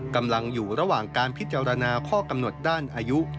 กำลังอยู่ระหว่างการพิจารณาข้อกำหนดด้านอายุ